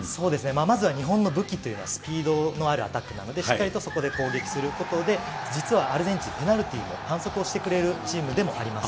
まずは日本の武器というのはスピードのあるアタックなので、しっかりとそこで攻撃することで、実はアルゼンチン、ペナルティー、反則をしてくれるチームでもあります。